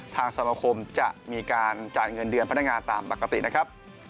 สมคมจะมีการจ่ายเงินเดือนพนักงานตามปกตินะครับ